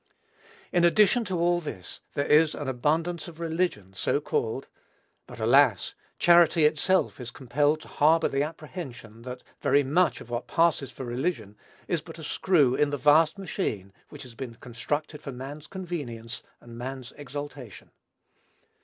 " In addition to all this, there is abundance of religion, so called; but, alas! charity itself is compelled to harbor the apprehension, that very much of what passes for religion is but a screw in the vast machine, which has been constructed for man's convenience, and man's exaltation.